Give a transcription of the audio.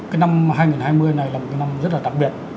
cái năm hai nghìn hai mươi này là một cái năm rất là đặc biệt